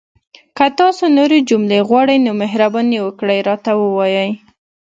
که تاسو نورې جملې غواړئ، نو مهرباني وکړئ راته ووایئ!